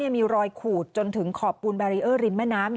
มีรอยขูดจนถึงขอบปูนแบรีเออร์ริมแม่น้ำ